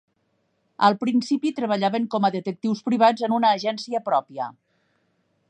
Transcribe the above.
Al principi treballaven com a detectius privats en una agència pròpia.